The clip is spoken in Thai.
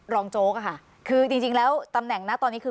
โจ๊กอะค่ะคือจริงแล้วตำแหน่งนะตอนนี้คือ